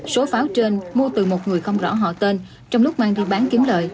số pháo trên mua từ một người không rõ họ tên trong lúc mang đi bán kiếm lợi